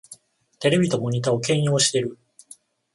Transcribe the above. テレビとモニタを兼用してる